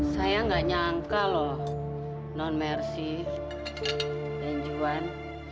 saya tidak menyangka loh non merci dan juan